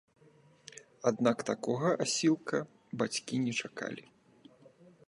Аднак такога асілка бацькі не чакалі.